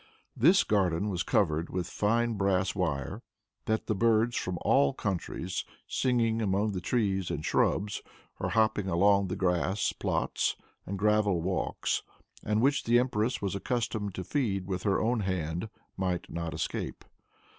This garden was covered with fine brass wire, that the birds from all countries, singing among the trees and shrubs, or hopping along the grass plots and gravel walks, and which the empress was accustomed to feed with her own hand, might not escape.